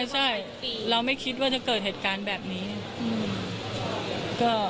พูดสิทธิ์ข่าวธรรมดาทีวีรายงานสดจากโรงพยาบาลพระนครศรีอยุธยาครับ